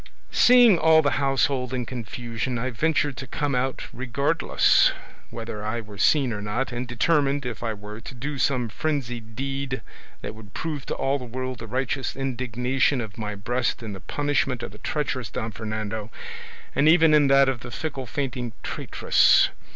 "Seeing all the household in confusion, I ventured to come out regardless whether I were seen or not, and determined, if I were, to do some frenzied deed that would prove to all the world the righteous indignation of my breast in the punishment of the treacherous Don Fernando, and even in that of the fickle fainting traitress.